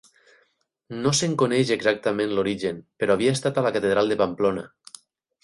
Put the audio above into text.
No se'n coneix exactament l'origen però havia estat a la catedral de Pamplona.